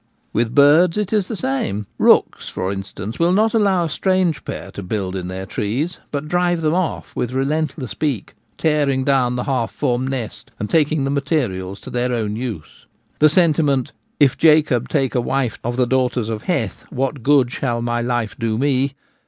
With birds it is the same : rooks, for instance, will not allow a strange pair to build in their trees, but drive them off with relentless beak, tearing down the half formed nest, and taking the materials to their own use. The sentiment, ' If Jacob take a wife of the daughters of Hcth, what good shall my life do me